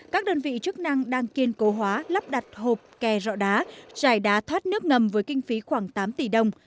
các đơn vị chức năng đang kiên cố hóa lắp đặt hộp kè rọ đá giải đá thoát nước ngầm với kinh phí khoảng tám tỷ đồng